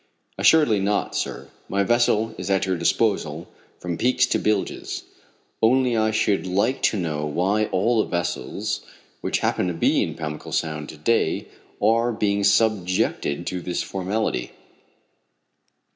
"Assuredly not, sir. My vessel is at your disposal from peaks to bilges. Only I should like to know why all the vessels which happen to be in Pamlico Sound to day are being subjected to this formality."